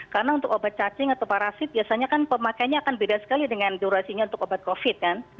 karena untuk obat cacing atau parasit biasanya kan pemakaiannya akan beda sekali dengan durasinya untuk obat covid kan